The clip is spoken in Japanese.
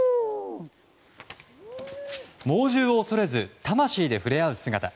猛獣を恐れず魂で触れ合う姿。